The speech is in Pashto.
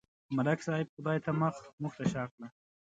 ملک صاحب خدای ته مخ، موږ ته شا کړه.